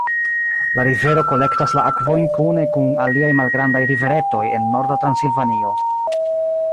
La rivero kolektas la akvojn kune kun aliaj malgrandaj riveretoj en Norda Transilvanio.